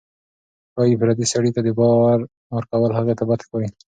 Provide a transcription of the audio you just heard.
ښایي پردي سړي ته د بار ورکول هغې ته بد ښکاري.